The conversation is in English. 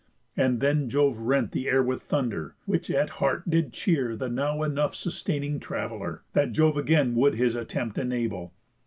And then Jove rent The air with thunder; which at heart did cheer The now enough sustaining traveller, That Jove again would his attempt enable.